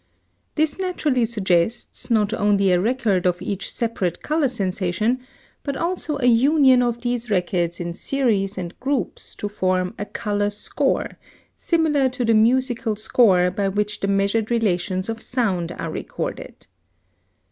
This naturally suggests, not only a record of each separate color sensation, but also a union of these records in series and groups to form a color score, similar to the musical score by which the measured relations of sound are recorded.